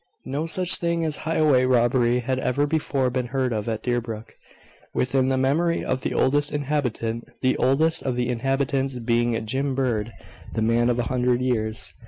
No such thing as highway robbery had ever before been heard of at Deerbrook, within the memory of the oldest inhabitant; the oldest of the inhabitants being Jim Bird, the man of a hundred years.